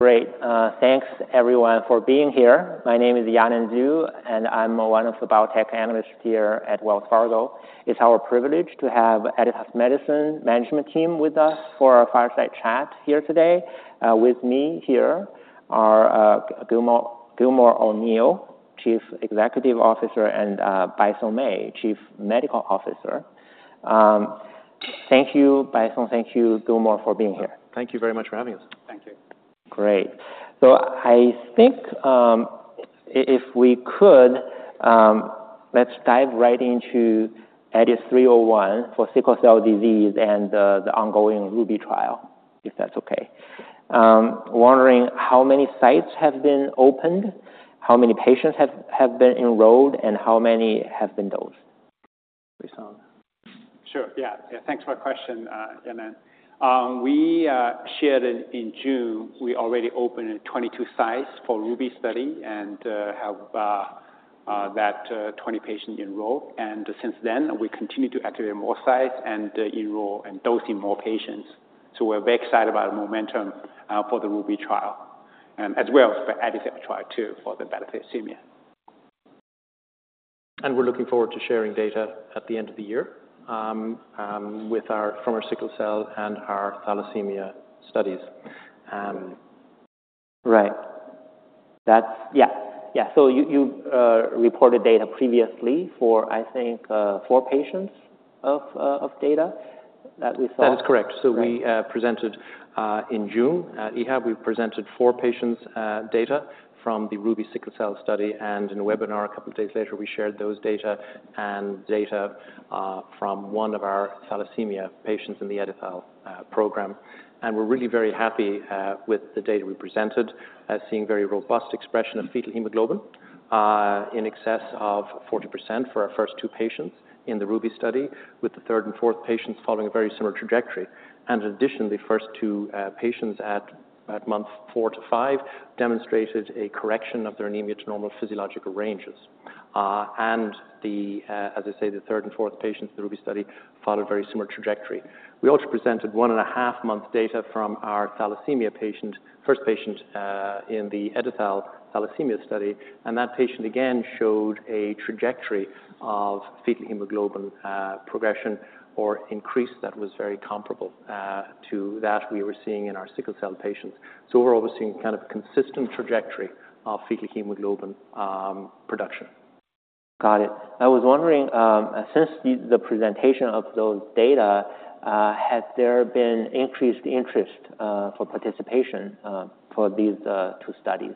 Great. Thanks everyone for being here. My name is Yanan Zhu, and I'm one of the biotech analysts here at Wells Fargo. It's our privilege to have Editas Medicine management team with us for our Fireside Chat here today. With me here are Gilmore O'Neill, Chief Executive Officer, and Baisong Mei, Chief Medical Officer. Thank you, Baisong, thank you, Gilmore, for being here. Thank you very much for having us. Thank you. Great. So I think, if we could, let's dive right into EDIT-301 for Sickle Cell Disease and the ongoing RUBY trial, if that's okay. Wondering how many sites have been opened, how many patients have been enrolled, and how many have been dosed? Baisong? Sure, yeah. Yeah, thanks for the question, Yanan. We shared in June, we already opened 22 sites for RUBY study and have 20 patients enrolled. And since then, we continue to activate more sites and enroll and dosing more patients. So we're very excited about the momentum for the RUBY trial and as well for EdiTHAL trial, too, for the beta thalassemia. We're looking forward to sharing data at the end of the year from our sickle cell and our thalassemia studies. Right. That's, yeah. Yeah. So you reported data previously for, I think, of data that we saw? That is correct. Right. We presented in June at EHA. We presented four patients' data from the RUBY sickle cell study, and in a webinar a couple of days later, we shared those data and data from one of our thalassemia patients in the Editas program. We're really very happy with the data we presented as seeing very robust expression of fetal hemoglobin, in excess of 40% for our first two patients in the RUBY study, with the third and fourth patients following a very similar trajectory. In addition, the first two patients at Month four to five demonstrated a correction of their anemia to normal physiological ranges. The third and fourth patients in the RUBY study followed a very similar trajectory. We also presented 1.5-month data from our thalassemia patient, first patient, in the Editas thalassemia study, and that patient again showed a trajectory of fetal hemoglobin, progression or increase that was very comparable, to that we were seeing in our sickle cell patients. So we're obviously seeing kind of consistent trajectory of fetal hemoglobin, production. Got it. I was wondering, since the presentation of those data, has there been increased interest for participation for these two studies?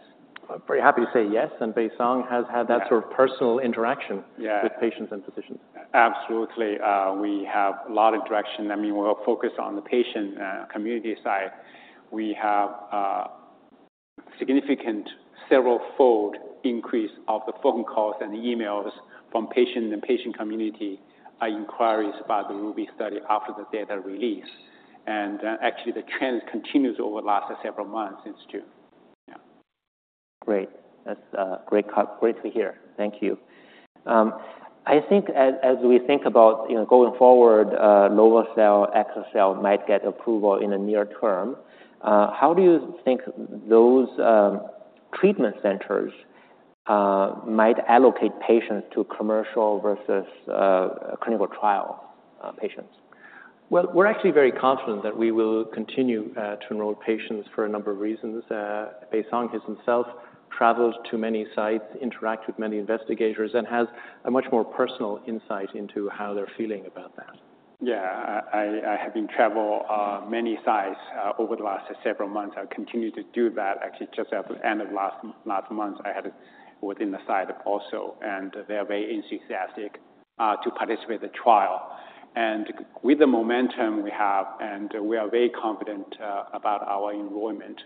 I'm pretty happy to say yes, and Baisong has had that- Yeah... sort of personal interaction- Yeah with patients and physicians. Absolutely. We have a lot of interaction. I mean, we're focused on the patient community side. We have significant several-fold increase of the phone calls and emails from patient and the patient community inquiries about the RUBY study after the data release. And actually, the trend continues over the last several months since June. Yeah. Great. That's great, great to hear. Thank you. I think as we think about, you know, going forward, lovo-cel, exa-cel might get approval in the near term, how do you think those treatment centers might allocate patients to commercial versus clinical trial patients? Well, we're actually very confident that we will continue to enroll patients for a number of reasons. Baisong has himself traveled to many sites, interacted with many investigators, and has a much more personal insight into how they're feeling about that. Yeah, I have been traveling many sites over the last several months. I continue to do that. Actually, just at the end of last month, I was at the site also, and they're very enthusiastic to participate in the trial. With the momentum we have, we are very confident about our enrollment,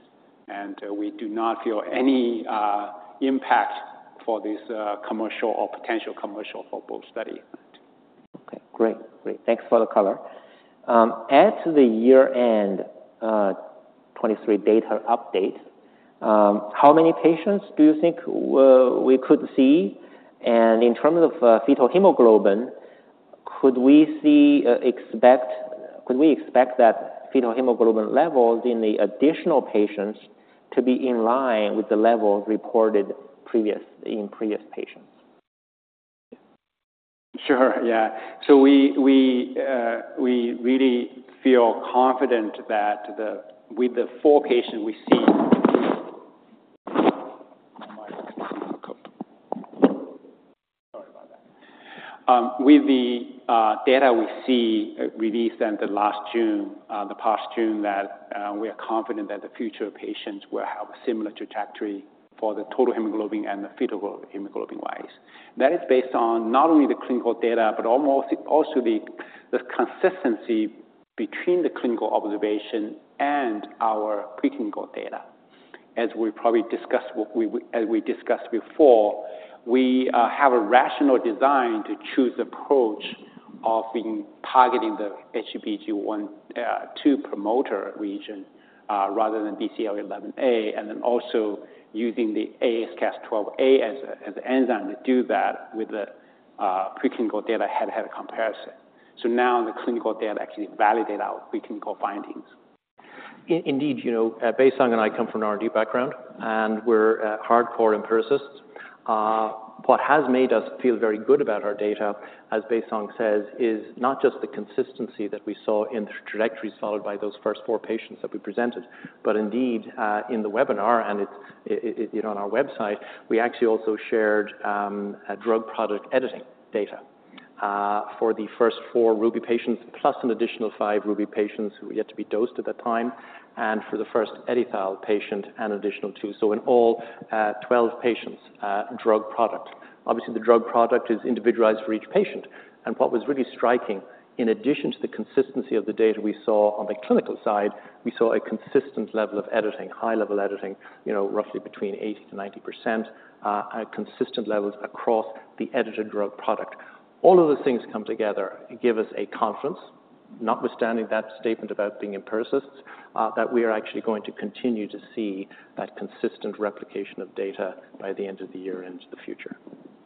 and we do not feel any impact from this commercialization or potential commercialization for both studies. Okay, great. Great. Thanks for the color. At the year-end 2023 data update, how many patients do you think we could see? And in terms of fetal hemoglobin, could we expect that fetal hemoglobin levels in the additional patients to be in line with the level reported previous, in previous patients? Sure, yeah. So we really feel confident that with the data we see released in the last June, the past June, that we are confident that the future patients will have a similar trajectory for the total hemoglobin and the fetal hemoglobin-wise. That is based on not only the clinical data, but almost also the consistency between the clinical observation and our preclinical data. As we probably discussed, as we discussed before, we have a rational design to choose approach of in targeting the HBG1, 2 promoter region, rather than BCL11A, and then also using the AsCas12a as a, as an enzyme to do that with the preclinical data head-head comparison. So now the clinical data actually validate our preclinical findings. Indeed, you know, Baisong and I come from an R&D background, and we're hardcore empiricists. What has made us feel very good about our data, as Baisong says, is not just the consistency that we saw in the trajectory followed by those first four patients that we presented, but indeed, in the webinar and it, you know, on our website, we actually also shared a drug product editing data for the first four RUBY patients, plus an additional five RUBY patients who were yet to be dosed at that time, and for the first EdiTHAL patient, an additional two. So in all, 12 patients, drug product. Obviously, the drug product is individualized for each patient, and what was really striking, in addition to the consistency of the data we saw on the clinical side, we saw a consistent level of editing, high-level editing, you know, roughly between 80%-90%, at consistent levels across the edited drug product. All of those things come together and give us a confidence, notwithstanding that statement about being empiricists, that we are actually going to continue to see that consistent replication of data by the end of the year into the future.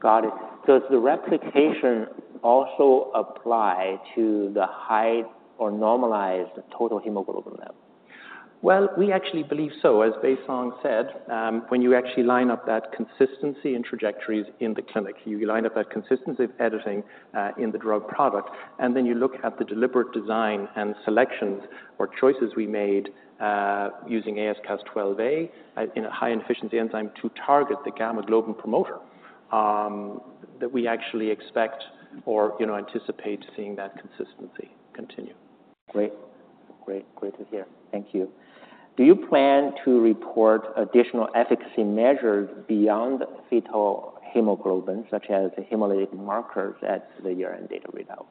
Got it. So does the replication also apply to the high or normalized total hemoglobin level? Well, we actually believe so. As Baisong Mei said, when you actually line up that consistency in trajectories in the clinic, you line up that consistency of editing, in the drug product, and then you look at the deliberate design and selections or choices we made, using AsCas12a, in a high-efficiency enzyme to target the gamma globin promoter, that we actually expect or, you know, anticipate seeing that consistency continue. Great. Great. Great to hear. Thank you. Do you plan to report additional efficacy measures beyond fetal hemoglobin, such as the hemolytic markers at the year-end data readout?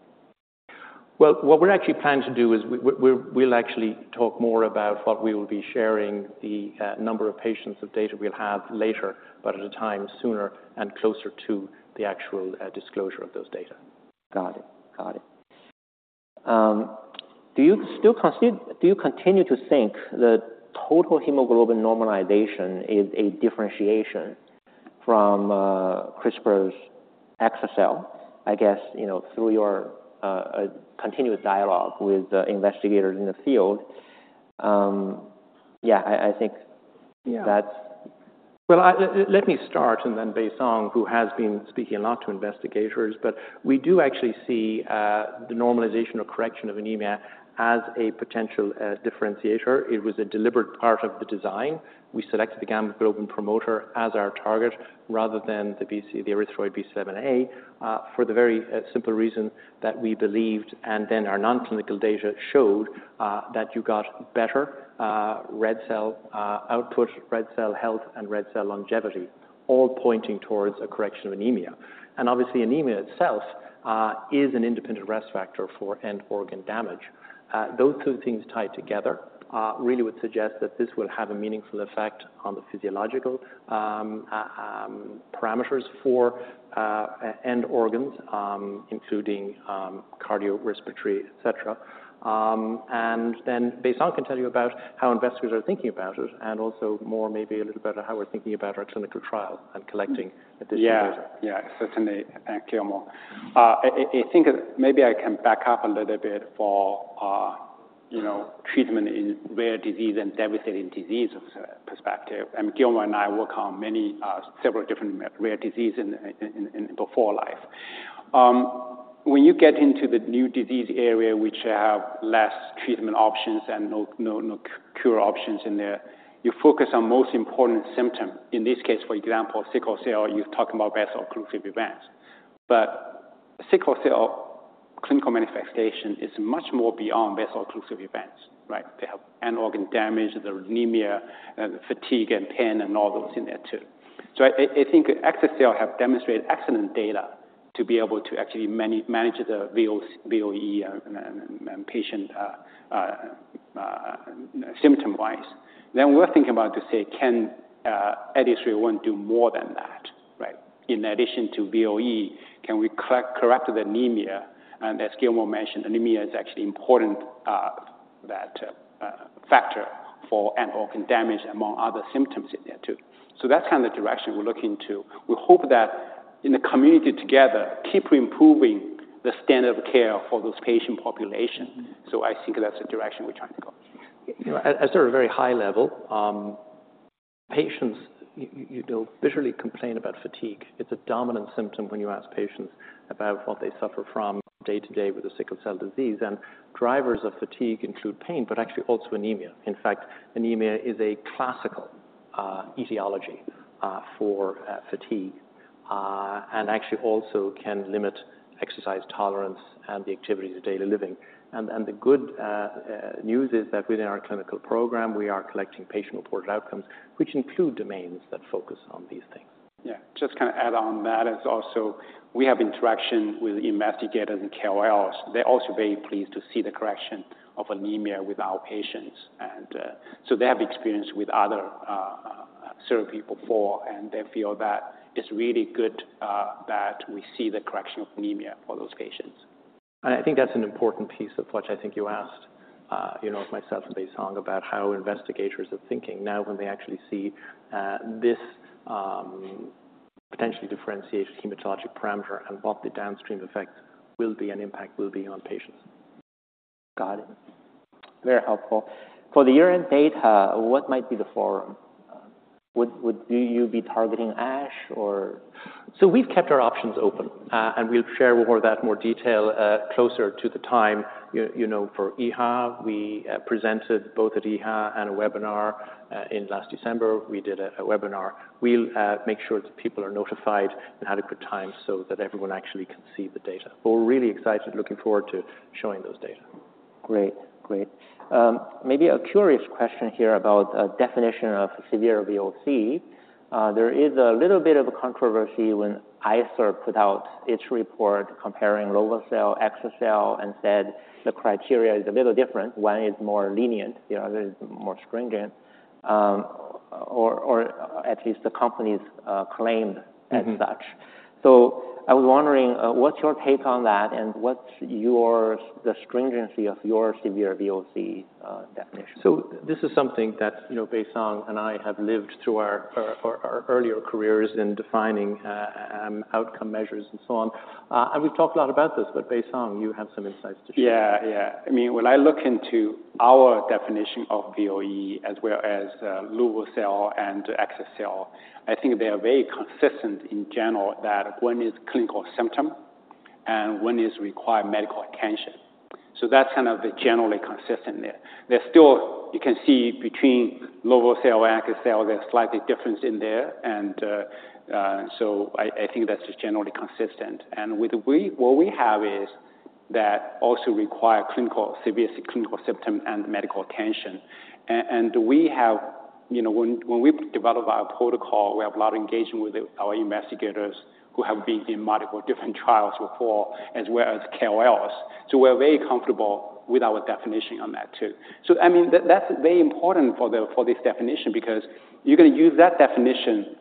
Well, what we're actually planning to do is we'll actually talk more about what we will be sharing, the number of patients of data we'll have later, but at a time sooner and closer to the actual disclosure of those data. Got it. Got it. Do you continue to think that total hemoglobin normalization is a differentiation from CRISPR's exa-cel? I guess, you know, through your continuous dialogue with investigators in the field. Yeah, I think- Yeah. That's... Well, let me start, and then Baisong, who has been speaking a lot to investigators, but we do actually see the normalization or correction of anemia as a potential differentiator. It was a deliberate part of the design. We selected the gamma globin promoter as our target rather than the BCL11A for the very simple reason that we believed, and then our non-clinical data showed that you got better red cell output, red cell health, and red cell longevity, all pointing towards a correction of anemia. And obviously, anemia itself is an independent risk factor for end organ damage. Those two things tied together really would suggest that this will have a meaningful effect on the physiological parameters for end organs, including cardiorespiratory, etc. Then Baisong can tell you about how investigators are thinking about it and also more maybe a little about how we're thinking about our clinical trial and collecting additional data. Yeah. Yeah, certainly. Thank you, Gilmore. I think maybe I can back up a little bit for, you know, treatment in rare disease and devastating disease perspective. And Gilmore and I work on many, several different rare disease in, before life. When you get into the new disease area, which have less treatment options and no cure options in there, you focus on most important symptom. In this case, for example, sickle cell, you're talking about vaso-occlusive events. But sickle cell clinical manifestation is much more beyond vaso-occlusive events, right? They have end organ damage, the anemia, fatigue and pain and all those in there, too. So I think exa-cel have demonstrated excellent data to be able to actually manage the VOE, and patient symptom-wise. Then we're thinking about to say, "Can EDIT-101 do more than that, right? In addition to VOE, can we correct the anemia?" And as Gilmore mentioned, anemia is actually important, that factor for end organ damage, among other symptoms in there, too. So that's kind of the direction we're looking into. We hope that in the community together, keep improving the standard of care for those patient population. So I think that's the direction we're trying to go. You know, at a very high level, patients, you know, visually complain about fatigue. It's a dominant symptom when you ask patients about what they suffer from day to day with a Sickle Cell Disease, and drivers of fatigue include pain, but actually also anemia. In fact, anemia is a classical etiology for fatigue, and actually also can limit exercise tolerance and the activities of daily living. And the good news is that within our clinical program, we are collecting patient-reported outcomes, which include domains that focus on these things. Yeah, just kind of add on that is also we have interaction with investigators and KOLs. They're also very pleased to see the correction of anemia with our patients, and, so they have experience with other several people before, and they feel that it's really good that we see the correction of anemia for those patients. I think that's an important piece of which I think you asked, myself and Baisong Mei about how investigators are thinking now when they actually see potentially differentiated hematologic parameter and what the downstream effects will be and impact will be on patients. Got it. Very helpful. For the year-end data, what might be the forum? Would you be targeting ASH or? So we've kept our options open, and we'll share more of that, more detail, closer to the time. You know, for EHA, we presented both at EHA and a webinar, in last December. We did a webinar. We'll make sure that people are notified in adequate time so that everyone actually can see the data. But we're really excited, looking forward to showing those data. Great. Great. Maybe a curious question here about definition of severe VOC. There is a little bit of a controversy when ICER put out its report comparing lovo-cel, exa-cel, and said the criteria is a little different. One is more lenient, the other is more stringent, or, or at least the company's claimed as such. Mm-hmm. I was wondering, what's your take on that, and what's the stringency of your severe VOC definition? So this is something that, you know, Baisong and I have lived through our earlier careers in defining outcome measures and so on. And we've talked a lot about this, but Baisong, you have some insights to share. Yeah. Yeah. I mean, when I look into our definition of VOE, as well as lovo-cel and exa-cel, I think they are very consistent in general, that one is clinical symptom and one is require medical attention. So that's kind of the generally consistent there. There's still, you can see between lovo-cel and exa-cel, there's slightly difference in there, and so I think that's just generally consistent. And with what we have is that also require clinical, severe clinical symptom and medical attention. And we have, you know, when we develop our protocol, we have a lot of engagement with our investigators who have been in multiple different trials before, as well as KOLs. So we're very comfortable with our definition on that too. I mean, that's very important for the, for this definition because you're gonna use that definition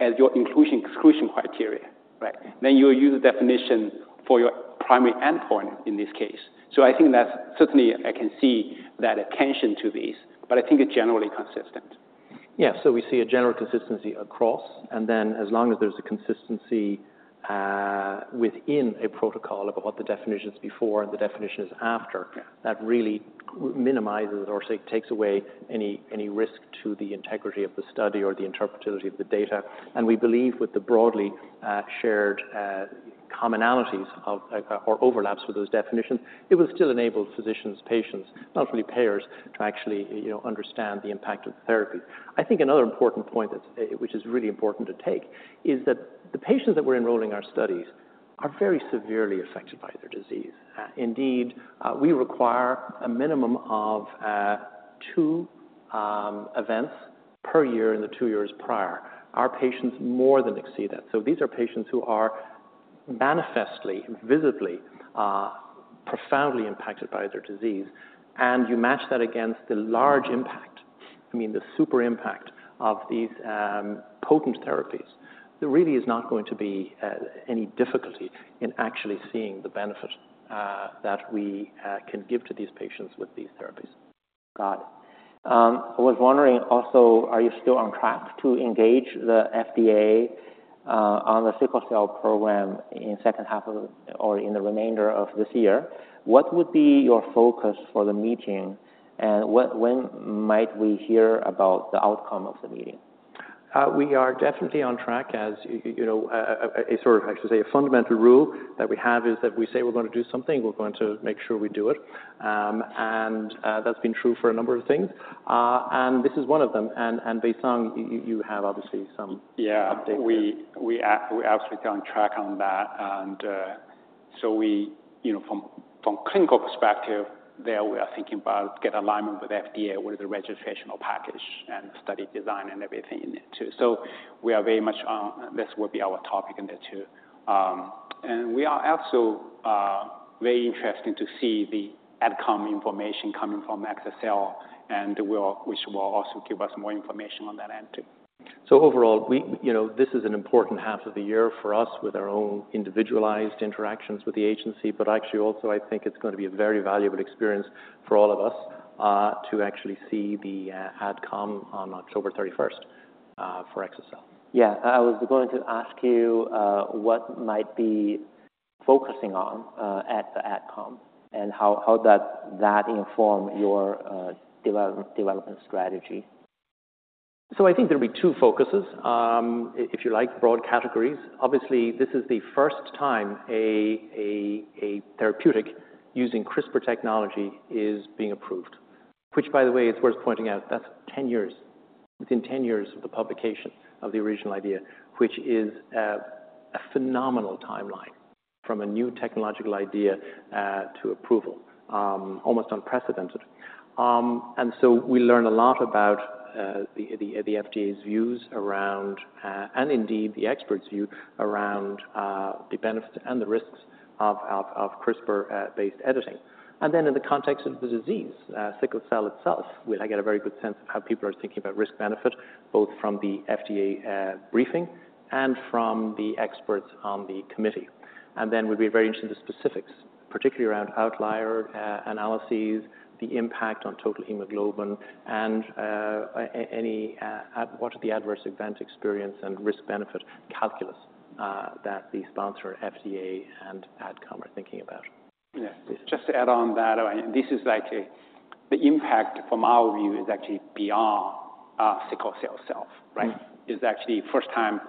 as your inclusion and exclusion criteria, right? Then you'll use the definition for your primary endpoint in this case. I think that's certainly, I can see that attention to these, but I think it's generally consistent. Yeah, so we see a general consistency across, and then as long as there's a consistency within a protocol of what the definition is before and the definition is after- Yeah... that really minimizes or, takes away any, any risk to the integrity of the study or the interpretability of the data. We believe with the broadly, shared, commonalities of, or overlaps with those definitions, it will still enable physicians, patients, not really payers, to actually, you know, understand the impact of the therapy. I think another important point that's, which is really important to take, is that the patients that we're enrolling in our studies are very severely affected by their disease. Indeed, we require a minimum of two events per year in the two years prior. Our patients more than exceed that. These are patients who are manifestly, visibly, profoundly impacted by their disease, and you match that against the large impact, I mean, the super impact of these, potent therapies. There really is not going to be any difficulty in actually seeing the benefit that we can give to these patients with these therapies. Got it. I was wondering also, are you still on track to engage the FDA on the sickle cell program in second half of or in the remainder of this year? What would be your focus for the meeting, and when might we hear about the outcome of the meeting? We are definitely on track, as you know, I should say, a fundamental rule that we have is that if we say we're going to do something, we're going to make sure we do it. And that's been true for a number of things, and this is one of them. And Baisong, you have obviously some- Yeah- updates here. We're absolutely on track on that. And, so we, you know, from clinical perspective, there we are thinking about get alignment with FDA with the registrational package and study design and everything in it too. So we are very much, this will be our topic in there too. And we are also very interested to see the AdCom information coming from exa-cel, which will also give us more information on that end, too. So overall, we, you know, this is an important half of the year for us with our own individualized interactions with the agency. But actually, also, I think it's going to be a very valuable experience for all of us, to actually see the AdCom on October 31st, for exa-cel. Yeah, I was going to ask you what might be focusing on at the AdCom and how that inform your development strategy? So I think there'll be two focuses, if you like broad categories. Obviously, this is the first time a therapeutic using CRISPR technology is being approved, which, by the way, it's worth pointing out, that's 10 years. Within 10 years of the publication of the original idea, which is a phenomenal timeline from a new technological idea to approval, almost unprecedented. And so we learn a lot about the FDA's views around, and indeed, the expert's view around, the benefits and the risks of CRISPR based editing. And then in the context of the disease, sickle cell itself, we'll, I get a very good sense of how people are thinking about risk-benefit, both from the FDA briefing and from the experts on the committee. And then we'd be very interested in the specifics, particularly around outlier analyses, the impact on total hemoglobin, and any what are the adverse event experience and risk-benefit calculus that the sponsor, FDA, and AdCom are thinking about? Yeah. Just to add on that, this is like the impact from our view is actually beyond sickle cell itself, right? Mm-hmm. It's actually the first time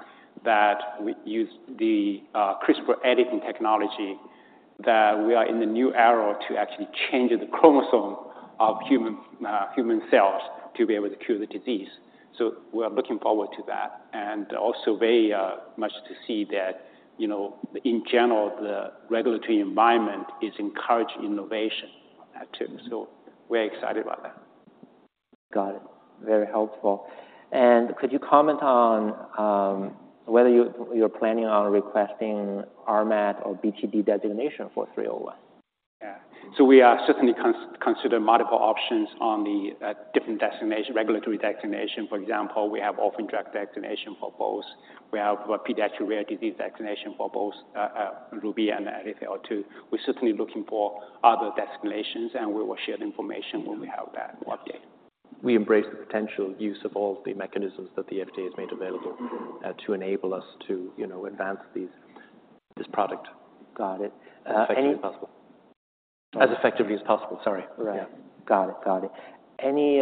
that we use the, CRISPR editing technology, that we are in the new era to actually change the chromosome of human, human cells to be able to cure the disease. So we're looking forward to that, and also very, much to see that, you know, in general, the regulatory environment is encouraging innovation, too. So we're excited about that. Got it. Very helpful. Could you comment on whether you're planning on requesting RMAT or BTD designation for 301? Yeah. So we are certainly considering multiple options on the different designation, regulatory designation. For example, we have orphan drug designation for both. We have pediatric rare disease designation for both, RUBY and EdiTHAL. We're certainly looking for other designations, and we will share the information when we have that update. We embrace the potential use of all the mechanisms that the FDA has made available- Mm-hmm. - to enable us to, you know, advance these, this product. Got it. Effectively as possible. As effectively as possible, sorry. Right. Yeah. Got it. Got it. Any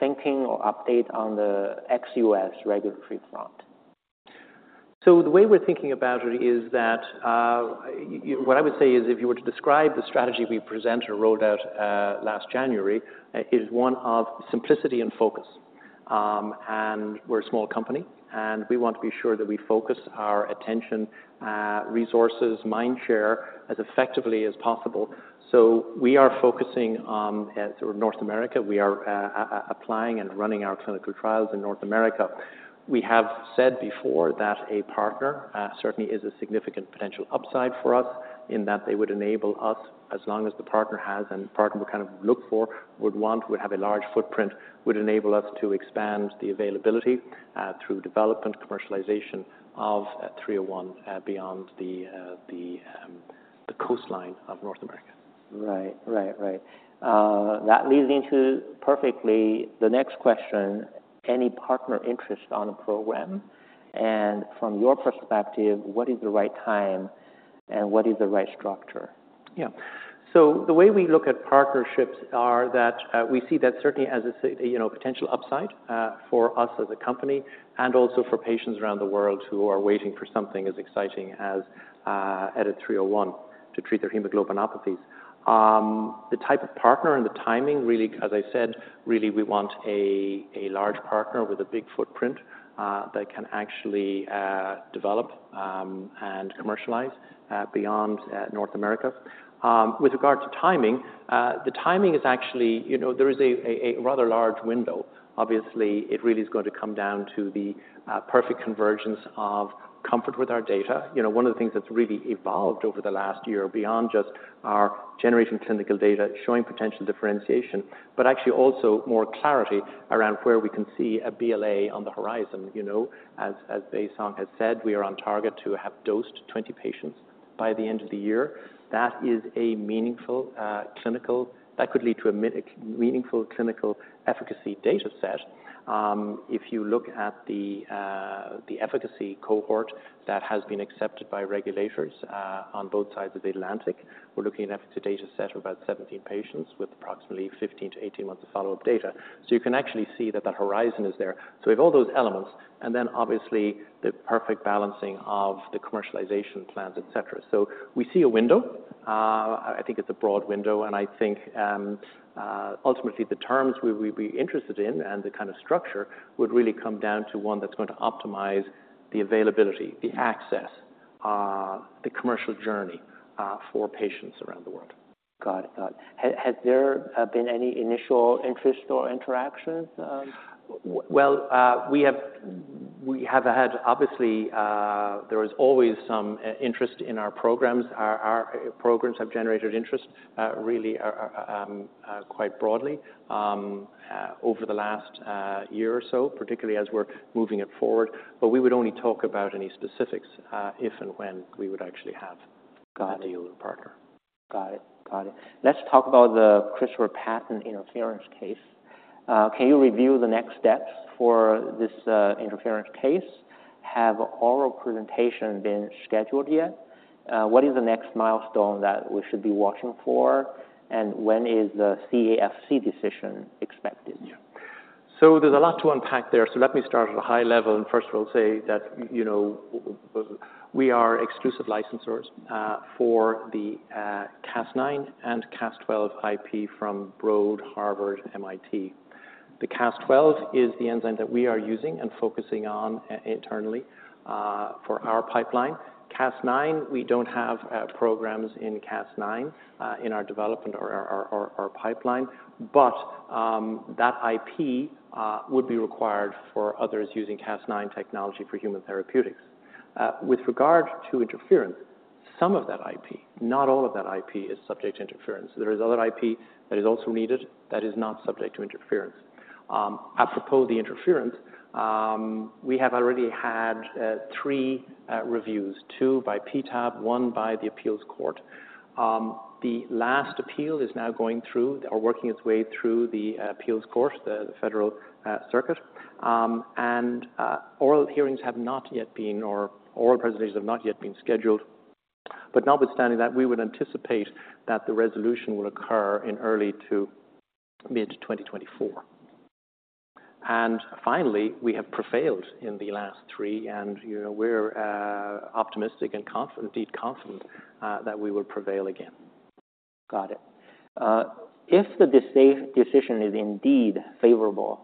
thinking or update on the ex-US regulatory front? So the way we're thinking about it is that, What I would say is, if you were to describe the strategy we present or rolled out, last January, is one of simplicity and focus. And we're a small company, and we want to be sure that we focus our attention, resources, mind share, as effectively as possible. So we are focusing on, North America. We are, applying and running our clinical trials in North America. We have said before that a partner certainly is a significant potential upside for us in that they would enable us, as long as the partner has, and the partner we kind of look for, would want, would have a large footprint, would enable us to expand the availability through development, commercialization of 301, beyond the coastline of North America. Right. Right. Right. That leads into perfectly the next question, any partner interest on the program? And from your perspective, what is the right time, and what is the right structure? Yeah. So the way we look at partnerships are that, we see that certainly as a, you know, potential upside, for us as a company and also for patients around the world who are waiting for something as exciting as, EDIT-301 to treat their hemoglobinopathies. The type of partner and the timing, really, as I said, really, we want a, a large partner with a big footprint, that can actually, develop, and commercialize, beyond, North America. With regard to timing, the timing is actually, you know, there is a, a, a rather large window. Obviously, it really is going to come down to the, perfect convergence of comfort with our data. You know, one of the things that's really evolved over the last year, beyond just our generating clinical data, showing potential differentiation, but actually also more clarity around where we can see a BLA on the horizon. You know, as Baisong Mei has said, we are on target to have dosed 20 patients by the end of the year. That is a meaningful clinical... That could lead to a meaningful clinical efficacy data set. If you look at the efficacy cohort that has been accepted by regulators on both sides of the Atlantic, we're looking at an efficacy data set of about 17 patients with approximately 15-18 months of follow-up data. So you can actually see that that horizon is there. So we have all those elements, and then obviously, the perfect balancing of the commercialization plans, etcetera. So we see a window. I think it's a broad window, and I think ultimately the terms we would be interested in and the kind of structure would really come down to one that's going to optimize the availability, the access, the commercial journey, for patients around the world. Got it. Got it. Has there been any initial interest or interactions? Well, we have had. Obviously, there is always some interest in our programs. Our programs have generated interest, really, quite broadly, over the last year or so, particularly as we're moving it forward. But we would only talk about any specifics, if and when we would actually have- Got it. - a deal with a partner. Got it. Got it. Let's talk about the CRISPR patent interference case. Can you review the next steps for this interference case? Have oral presentation been scheduled yet? What is the next milestone that we should be watching for, and when is the CAFC decision expected? Yeah. So there's a lot to unpack there. So let me start at a high level, and first of all, say that, you know, we are exclusive licensors for the Cas9 and Cas12 IP from Broad Institute of MIT and Harvard. The Cas12 is the enzyme that we are using and focusing on internally for our pipeline. Cas9, we don't have programs in Cas9 in our development or our pipeline, but that IP would be required for others using Cas9 technology for human therapeutics. With regard to interference, some of that IP, not all of that IP, is subject to interference. There is other IP that is also needed that is not subject to interference. Apropos the interference, we have already had three reviews: two by PTAB, one by the appeals court. The last appeal is now going through or working its way through the appeals court, the Federal Circuit. Oral hearings have not yet been, or oral presentations have not yet been scheduled. But notwithstanding that, we would anticipate that the resolution will occur in early to mid-2024. And finally, we have prevailed in the last three, and, you know, we're optimistic and confident, indeed confident, that we will prevail again. Got it. If the PTAB decision is indeed favorable,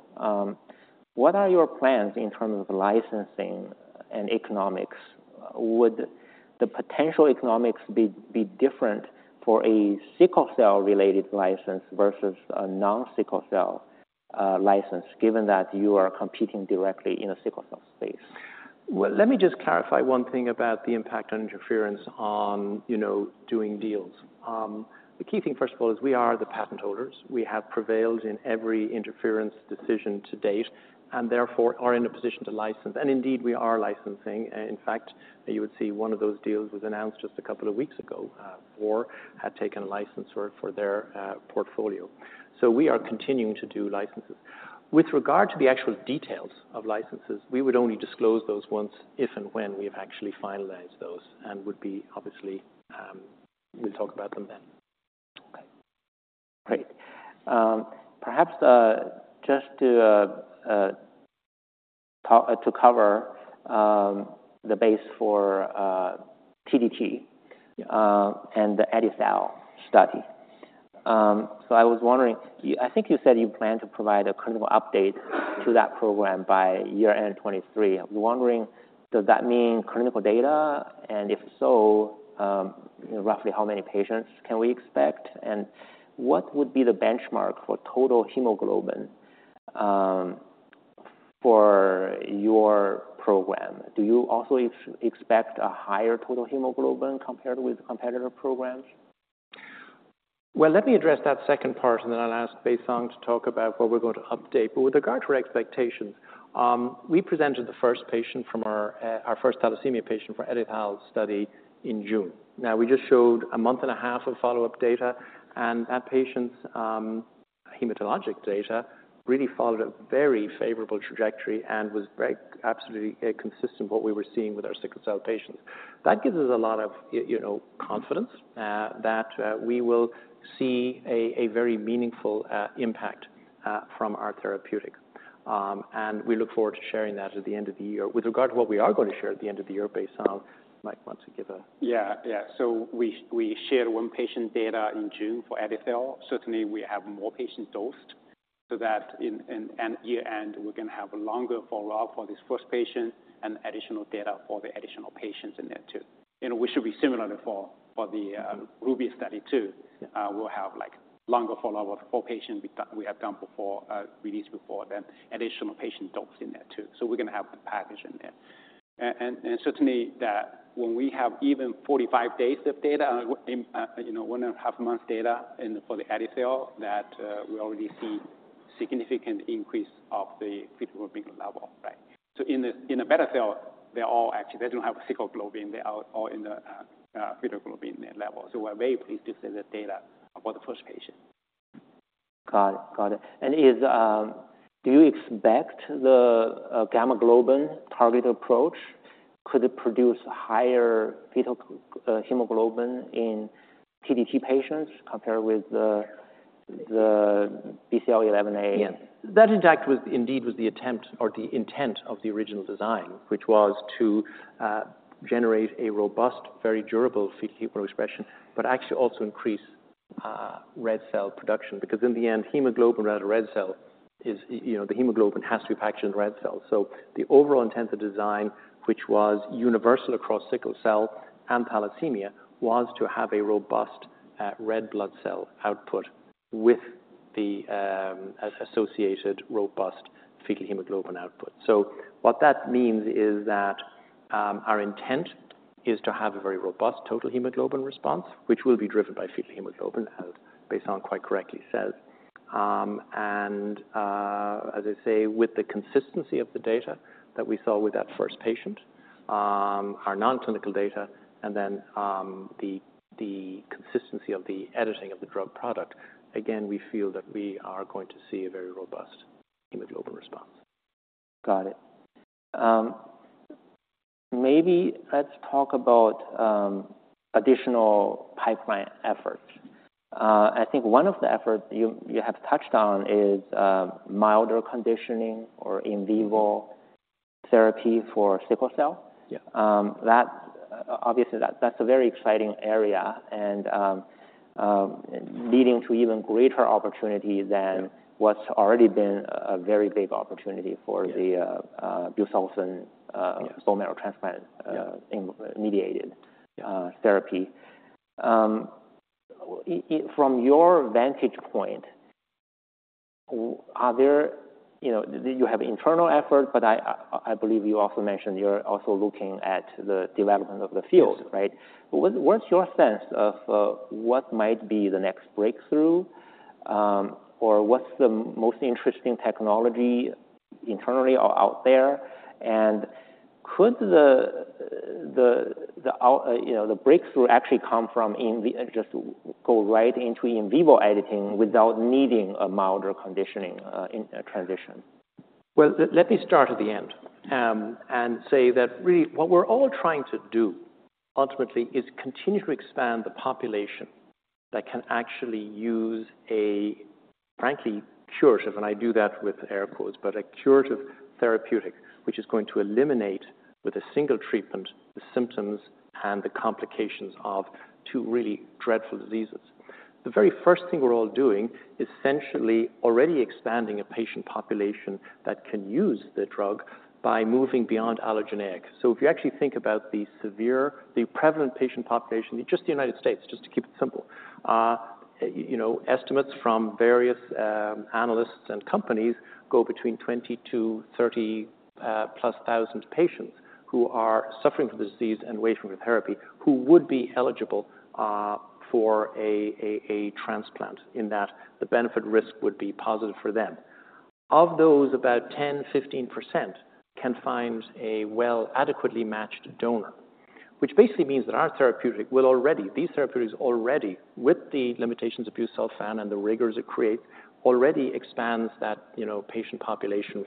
what are your plans in terms of licensing and economics? Would the potential economics be different for a sickle cell-related license versus a non-sickle cell license, given that you are competing directly in the sickle cell space? Well, let me just clarify one thing about the impact on interference on, you know, doing deals. The key thing, first of all, is we are the patent holders. We have prevailed in every interference decision to date and therefore are in a position to license, and indeed, we are licensing. In fact, you would see one of those deals was announced just a couple of weeks ago, or had taken a licensor for their portfolio. So we are continuing to do licenses. With regard to the actual details of licenses, we would only disclose those once, if, and when we've actually finalized those and would be obviously, we'll talk about them then. Okay, great. Perhaps, just to cover the base for TDT, and the EdiTHAL study. So I was wondering, I think you said you plan to provide a clinical update to that program by year end 2023. I'm wondering, does that mean clinical data? And if so, you know, roughly how many patients can we expect, and what would be the benchmark for total hemoglobin, for your program? Do you also expect a higher total hemoglobin compared with competitor programs? Well, let me address that second part, and then I'll ask Baisong to talk about what we're going to update. With regard to our expectations, we presented the first patient from our first beta thalassemia patient for the EdiTHAL study in June. We just showed a month and a half of follow-up data, and that patient's hematologic data really followed a very favorable trajectory and was very absolutely consistent with what we were seeing with our sickle cell patients. That gives us a lot of, you know, confidence that we will see a very meaningful impact from our therapeutic. We look forward to sharing that at the end of the year. With regard to what we are going to share at the end of the year, Baisong, might want to give a- Yeah, yeah. So we shared one patient data in June for EdiTHAL. Certainly, we have more patients dosed so that in year end, we're going to have a longer follow-up for this first patient and additional data for the additional patients in there, too. And we should be similar for the RUBY study, too. Yeah. We'll have, like, longer follow-up for patients we have done before, released before then, additional patient dose in that, too. We're going to have the package in there. And certainly that when we have even 45 days of data, you know, one and a half months data in... for the EdiTHAL, we already see significant increase of the fetal hemoglobin level, right? In the beta thal, they're all actually... They don't have a sickle globin. They are all in the fetal globin level. We're very pleased to see the data about the first patient. Got it. Got it. Do you expect the gamma globin target approach could produce higher fetal hemoglobin in TDT patients compared with the BCL11A? Yeah. That, in fact, was indeed the attempt or the intent of the original design, which was to generate a robust, very durable fetal hemoglobin expression, but actually also increase red cell production. Because in the end, hemoglobin rather red cell is, you know, the hemoglobin has to be packaged in red cells. So the overall intent of design, which was universal across sickle cell and thalassemia, was to have a robust red blood cell output with the associated robust fetal hemoglobin output. So what that means is that our intent is to have a very robust total hemoglobin response, which will be driven by fetal hemoglobin, as Baisong quite correctly says. As I say, with the consistency of the data that we saw with that first patient, our non-clinical data and then, the consistency of the editing of the drug product, again, we feel that we are going to see a very robust hemoglobin response. Got it. Maybe let's talk about additional pipeline efforts. I think one of the efforts you have touched on is milder conditioning or in vivo- Mm-hmm... therapy for sickle cell. Yeah. That, obviously, that's a very exciting area and, leading to even greater opportunity than- Yeah.... what's already been a very big opportunity for the - Yeah Busulfan. Yeah... bone marrow transplant, Yeah mediated- Yeah - therapy. From your vantage point... Are there, you know, you have internal effort, but I believe you also mentioned you're also looking at the development of the field, right? What's your sense of what might be the next breakthrough, or what's the most interesting technology internally or out there? And could the out, you know, the breakthrough actually come from in the just go right into in vivo editing without needing a milder conditioning in transition? Well, let me start at the end, and say that really what we're all trying to do ultimately is continue to expand the population that can actually use a frankly, curative, and I do that with air quotes, but a curative therapeutic, which is going to eliminate, with a single treatment, the symptoms and the complications of two really dreadful diseases. The very first thing we're all doing is essentially already expanding a patient population that can use the drug by moving beyond allogeneic. So if you actually think about the severe, the prevalent patient population in just the United States, just to keep it simple, you know, estimates from various, analysts and companies go between 20 to 30+ thousand patients who are suffering from the disease and waiting for therapy, who would be eligible, for a transplant, in that the benefit risk would be positive for them. Of those, about 10%-15% can find a well, adequately matched donor, which basically means that our therapeutic will already—these therapeutics already, with the limitations of Busulfan and the rigors it creates, already expands that, you know, patient population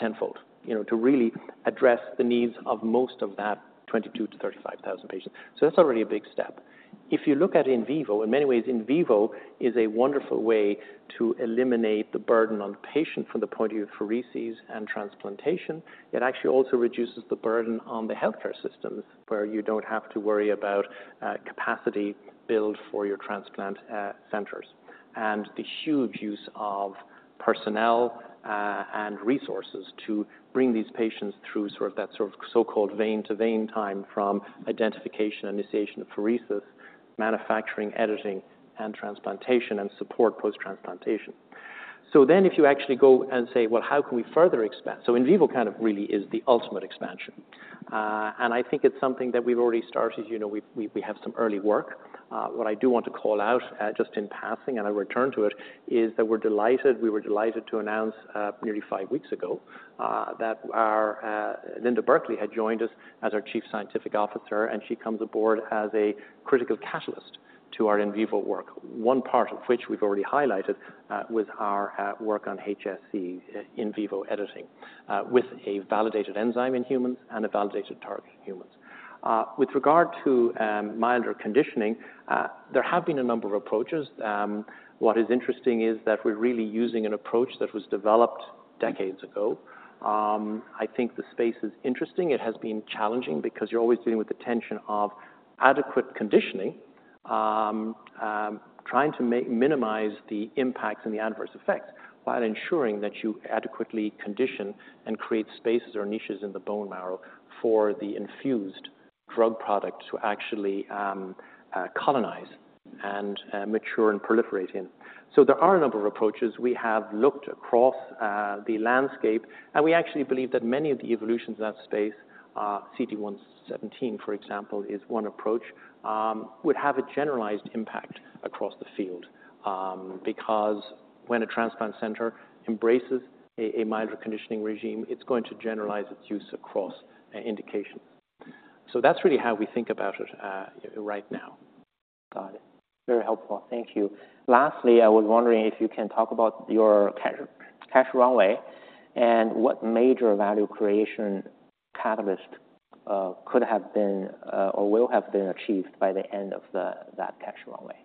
tenfold, you know, to really address the needs of most of that 22-35 thousand patients. So that's already a big step. If you look at in vivo, in many ways, in vivo is a wonderful way to eliminate the burden on the patient from the point of view of apheresis and transplantation. It actually also reduces the burden on the healthcare systems, where you don't have to worry about capacity build for your transplant centers. And the huge use of personnel and resources to bring these patients through sort of that sort of so-called vein to vein time from identification and initiation of apheresis, manufacturing, editing, and transplantation, and support post-transplantation. So then if you actually go and say, "Well, how can we further expand?" So in vivo kind of really is the ultimate expansion. And I think it's something that we've already started. You know, we have some early work. What I do want to call out, just in passing, and I return to it, is that we're delighted, we were delighted to announce, nearly five weeks ago, that our Linda Burkly had joined us as our Chief Scientific Officer, and she comes aboard as a critical catalyst to our in vivo work. One part of which we've already highlighted, with our work on HSC in vivo editing, with a validated enzyme in humans and a validated target in humans. With regard to milder conditioning, there have been a number of approaches. What is interesting is that we're really using an approach that was developed decades ago. I think the space is interesting. It has been challenging because you're always dealing with the tension of adequate conditioning, trying to make... minimize the impacts and the adverse effects, while ensuring that you adequately condition and create spaces or niches in the bone marrow for the infused drug product to actually, colonize and, mature and proliferate in. So there are a number of approaches. We have looked across, the landscape, and we actually believe that many of the evolutions in that space, CD117, for example, is one approach, would have a generalized impact across the field, because when a transplant center embraces a milder conditioning regime, it's going to generalize its use across an indication. So that's really how we think about it, right now. Got it. Very helpful. Thank you. Lastly, I was wondering if you can talk about your cash, cash runway and what major value creation catalyst could have been or will have been achieved by the end of that cash runway?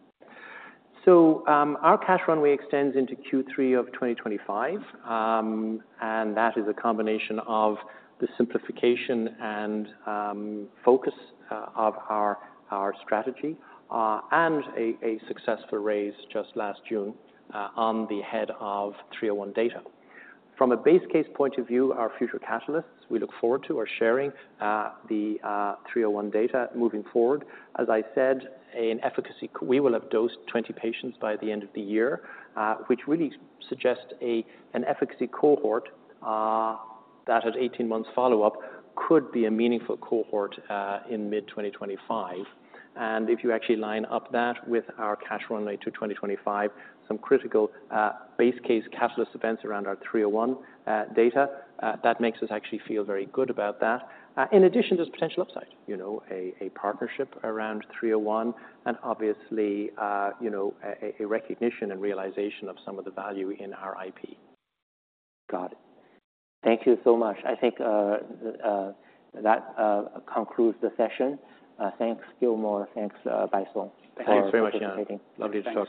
So, our cash runway extends into Q3 of 2025, and that is a combination of the simplification and focus of our strategy, and a successful raise just last June, on the heels of 301 data. From a base case point of view, our future catalysts we look forward to are sharing the 301 data moving forward. As I said, an efficacy. We will have dosed 20 patients by the end of the year, which really suggests an efficacy cohort that at 18 months follow-up could be a meaningful cohort in mid-2025. And if you actually line up that with our cash runway to 2025, some critical base case catalyst events around our 301 data that makes us actually feel very good about that. In addition, there's potential upside, you know, a partnership around 301 and obviously, you know, a recognition and realization of some of the value in our IP. Got it. Thank you so much. I think that concludes the session. Thanks, Gilmore. Thanks, Baisong. Thanks very much, Yan. Lovely to talk.